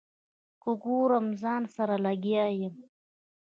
که ګورم ځان سره لګیا یم.